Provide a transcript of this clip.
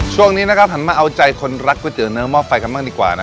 ช่วงนี้นะครับหันมาเอาใจคนรักก๋วยเตี๋เนื้อหม้อไฟกันบ้างดีกว่านะ